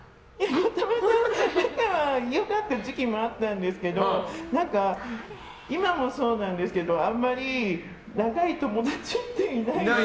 もともと仲は良かった時期もあったんですけど何か今もそうなんですけどあんまり長い友達っていないんです。